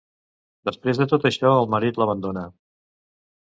Després de tot això, el marit l’abandona.